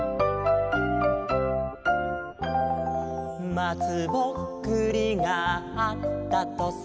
「まつぼっくりがあったとさ」